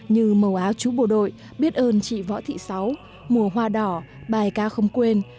như màu áo chú bộ đội biết ơn chị võ thị sáu mùa hoa đỏ bài ca không quên